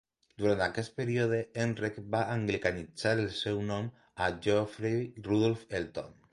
Durant aquest període, Ehrenberg va anglicanitzar el seu nom a Geoffrey Rudolph Elton.